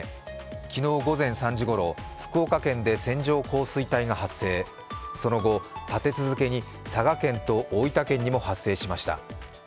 昨日午前３時ごろ、福岡県で線状降水帯が発生、その後、立て続けに佐賀県と大分県にも発生しました。